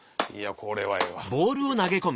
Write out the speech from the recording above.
これはええわ。